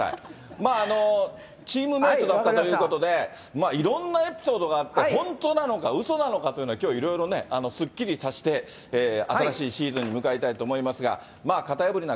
まああの、チームメートだったということで、いろんなエピソードがあって、本当なのか、うそなのかというのを、きょう、いろいろね、すっきりさせて、新しいシーズンに向かいたいと思いますが。